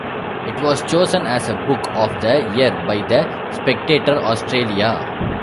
It was chosen as a Book of the Year by the "Spectator Australia".